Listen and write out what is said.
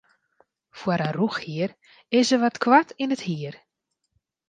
Foar in rûchhier is er wat koart yn it hier.